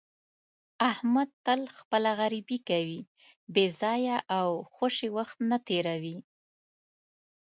احمد تل خپله غریبي کوي، بې ځایه او خوشې وخت نه تېروي.